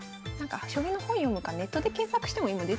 将棋の本読むかネットで検索しても今出てきますからね。